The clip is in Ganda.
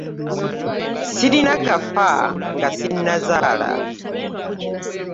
Ssirina gafa nga ssinnazaala.